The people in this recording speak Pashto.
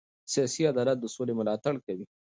سیاسي عدالت د سولې ملاتړ کوي